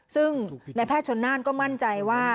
ซึ่งในแพทย์ชนน่านก็มั่นใจว่า